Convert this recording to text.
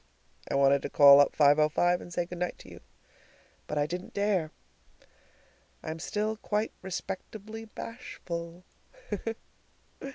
I wanted to call up 505 and say good night to you. But I didn't dare. I'm still quite respectably bashful!